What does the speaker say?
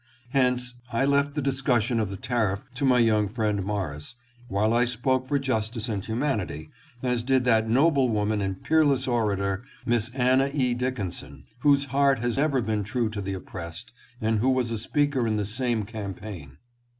Hence, I left the discussion ON THE STUMP. 721 of the tariff to my young friend Morris, while I spoke for justice and humanity, as did that noble woman and peerless orator, Miss Anna E. Dickinson, whose heart has ever been true to the oppressed, and who was a speaker in the same campaign.